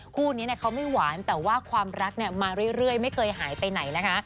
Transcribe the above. คู่นี้เขาไม่หวานแต่ว่าความรักมาเรื่อยไม่เคยหายไปไหนนะคะ